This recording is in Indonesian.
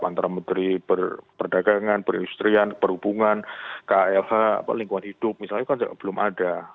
antara menteri perdagangan perindustrian perhubungan klh lingkungan hidup misalnya kan belum ada